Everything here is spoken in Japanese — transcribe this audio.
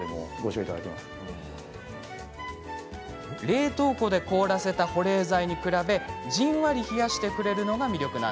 冷凍庫で凍らせた保冷剤に比べじんわり冷やしてくれるのが魅力。